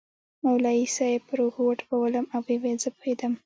مولوي صاحب پر اوږه وټپولوم ويې ويل زه پوهېدم.